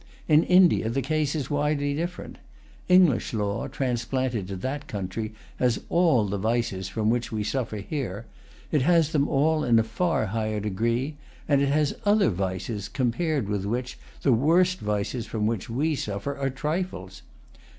In India the case is widely different. English law, transplanted to that country, has all the vices from which we suffer here; it has them all in a far higher degree; and it has other vices, compared with which the worst vices from which we suffer are trifles.